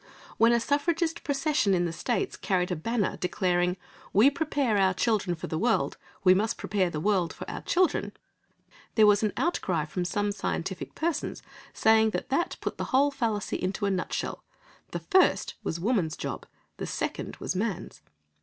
When a suffragist procession in the States carried a banner declaring, "We prepare our children for the world; we must prepare the world for our children," there was an outcry from some scientific persons, saying that that put the whole fallacy into a nutshell: the first was woman's job, the second was man's.